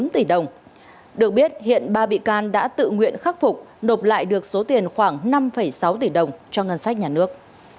bốn tỷ đồng được biết hiện ba bị can đã tự nguyện khắc phục nộp lại được số tiền khoảng năm sáu tỷ đồng cho ngân sách nhà nước